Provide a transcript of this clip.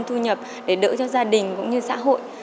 thu nhập để đỡ cho gia đình cũng như xã hội